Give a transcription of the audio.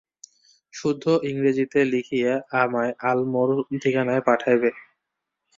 শুদ্ধ ইংরেজীতে লিখিয়া আমায় আলমোড়ার ঠিকানায় পাঠাইবে।